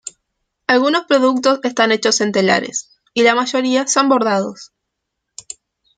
Algunos productos están hechos en telares, y la mayoría son bordados.